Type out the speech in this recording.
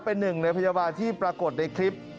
เป็นหนึ่งในพยาบาลที่ปรากฏในคลิป